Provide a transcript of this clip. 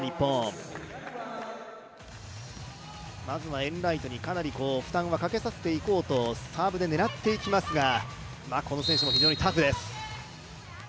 まずはエンライトにかなり負担はかけさせていこうとサーブで狙っていきますが、この選手も非常にタフです。